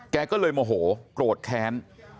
แกก็เลยโมโหโกรธแค้น